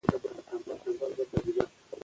موږ باید د خپلو ماشومانو ښه پالنه وکړو.